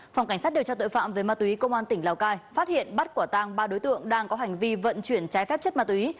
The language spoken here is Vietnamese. phòng cảnh sát điều tra tội phạm về ma túy công an tỉnh lào cai phát hiện bắt quả tang ba đối tượng đang có hành vi vận chuyển trái phép chất ma túy